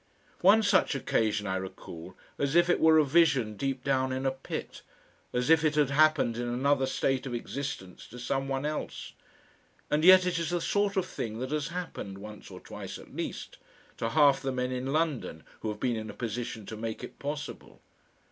One such occasion I recall as if it were a vision deep down in a pit, as if it had happened in another state of existence to someone else. And yet it is the sort of thing that has happened, once or twice at least, to half the men in London who have been in a position to make it possible.